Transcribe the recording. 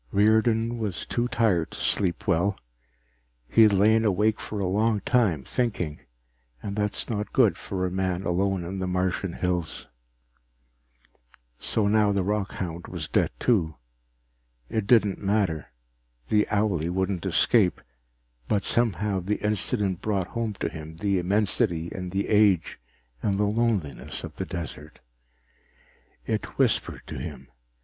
_Riordan was too tired to sleep well. He had lain awake for a long time, thinking, and that is not good for a man alone in the Martian hills. So now the rockhound was dead too. It didn't matter, the owlie wouldn't escape. But somehow the incident brought home to him the immensity and the age and the loneliness of the desert. It whispered to him.